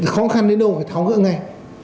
khó khăn đến đâu phải tháo ngỡ ngay